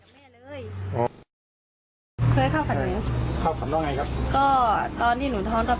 อืมแล้วก็ช่วงเย็นที่ผ่านมานะคะ